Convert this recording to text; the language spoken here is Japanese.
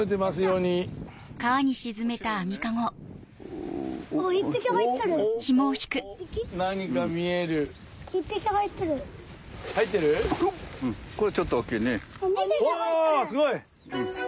うわすごい！